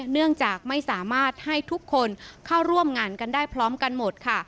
เนื่องจากไม่สามารถให้ทุกคนเข้าร่วมงานกันได้พร้อมกันหมดค่ะ